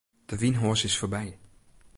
De wynhoas is foarby.